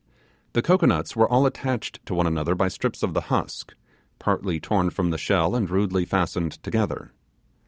The cocoanuts were all attached to one another by strips of the husk, partly torn from the shell and rudely fastened together.